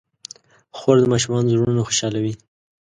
خور د ماشومانو زړونه خوشحالوي.